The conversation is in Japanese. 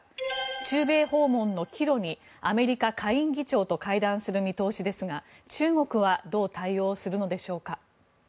中米訪問の帰路にアメリカ下院議長と会談する見通しですが中国はどう対応するのでしょうか。